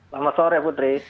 selamat sore putri